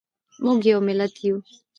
موږ یو ملت یو